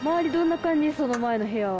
その前の部屋は。